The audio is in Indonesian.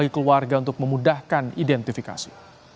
keluarga untuk memudahkan identifikasi